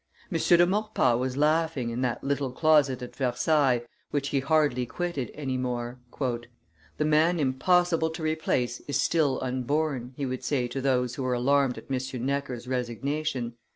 M. de Maurepas was laughing in that little closet at Versailles which he hardly quitted any more: "The man impossible to replace is still unborn," he would say to those who were alarmed at M. Necker's resignation.